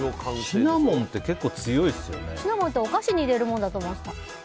シナモンってお菓子に入れるものだと思ってた。